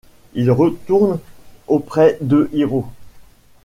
Il retourne auprès de Hiro.